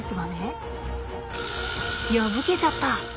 破けちゃった。